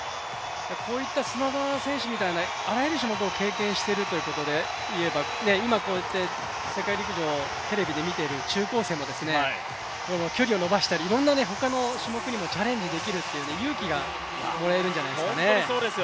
こういった砂田選手みたいなあらゆる種目を経験しているということでいえば今、こうやって世界陸上をテレビで見ている中高生も距離を延ばしたり、いろんな他の種目にもチャレンジできるという勇気がもらえるんじゃないですかね。